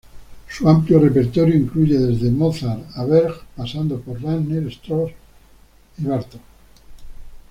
Su amplio repertorio incluye desde Mozart a Berg, pasando por Wagner, Strauss y Bartók.